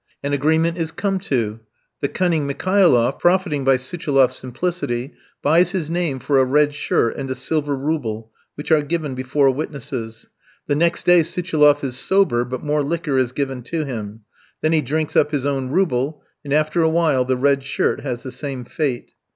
An agreement is come to, the cunning Mikhailoff, profiting by Suchiloff's simplicity, buys his name for a red shirt, and a silver rouble, which are given before witnesses. The next day Suchiloff is sober; but more liquor is given to him. Then he drinks up his own rouble, and after a while the red shirt has the same fate.